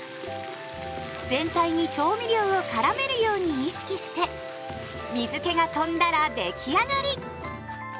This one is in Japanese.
全体に調味料をからめるように意識して水けがとんだら出来上がり！